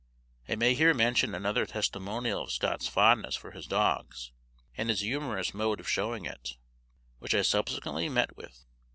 I may here mention another testimonial of Scott's fondness for his dogs, and his humorous mode of showing it, which I subsequently met with.